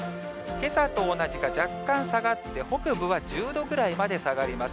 けさと同じか若干下がって、北部は１０度ぐらいまで下がります。